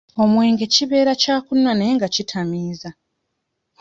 Omwenge kibeera kya kunywa naye nga kitamiiza.